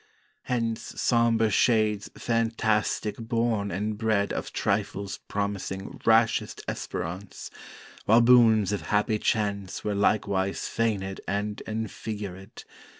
Hence sombre shades phantastick born and bred Of trifles promising rashest Esperance; While boons of happy chance Were likewise feignèd and enfigurèd.